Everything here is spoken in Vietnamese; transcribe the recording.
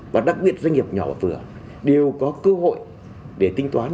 và đặc biệt doanh nghiệp nhỏ và vừa đều có cơ hội để tính toán